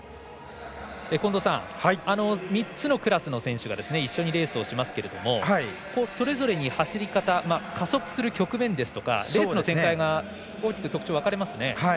近藤さん、３つのクラスの選手が一緒にレースをしますけど、それぞれに走り方、加速する局面ですとかレースの展開が大きく、特徴分かれますね。